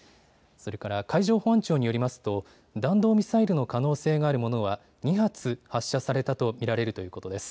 それから海上保安庁によりますと弾道ミサイルの可能性があるものは２発発射されたと見られるということです。